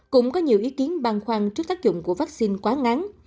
cũng có nhiều ý kiến băn khoăn trước tác dụng của vaccine quá ngắn